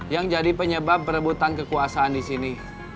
yang jadi penyebab perebutan kekuasaan di sini